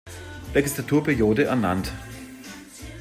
Legislaturperiode ernannt.